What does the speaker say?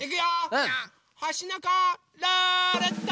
うん！ほしのこルーレット！